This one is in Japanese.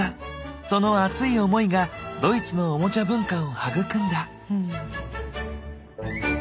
その熱い思いがドイツのオモチャ文化を育んだ。